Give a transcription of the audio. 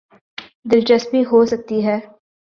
دلچسپی ہو سکتی ہے۔